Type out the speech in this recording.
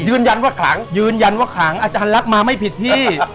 ยืนยันว่าขลังยืนยันว่าขลังอาจารย์ลักษณ์มาไม่ผิดที่